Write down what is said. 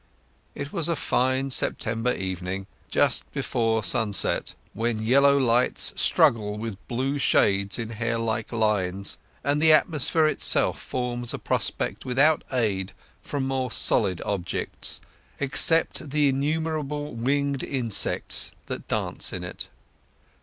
It was a fine September evening, just before sunset, when yellow lights struggle with blue shades in hairlike lines, and the atmosphere itself forms a prospect without aid from more solid objects, except the innumerable winged insects that dance in it.